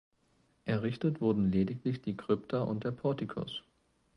Errichtet wurden lediglich die Krypta und der Portikus.